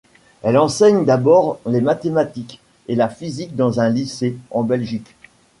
Elle enseigne d'abord les mathématiques et la physique dans un lycée, en Belgique.